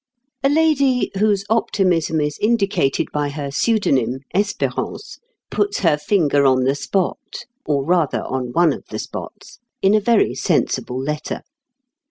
A lady, whose optimism is indicated by her pseudonym, "Espérance," puts her finger on the spot, or, rather, on one of the spots, in a very sensible letter.